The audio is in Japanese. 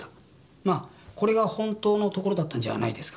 まあこれが本当のところだったんじゃないですかね？